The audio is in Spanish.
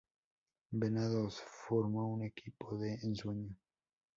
Venados formó un equipo de ensueño.